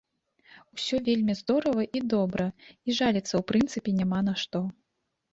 Усё вельмі здорава і добра, і жаліцца ў прынцыпе няма на што.